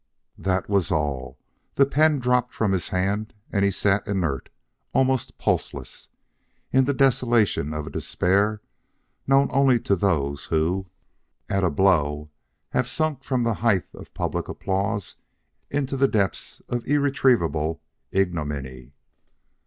That was all. The pen dropped from his hand and he sat inert, almost pulseless, in the desolation of a despair known only to those who, at a blow, have sunk from the height of public applause into the depths of irretrievable ignominy.